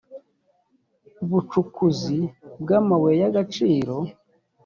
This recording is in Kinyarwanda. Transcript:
bucukuzi bw’amabuye y’agaciro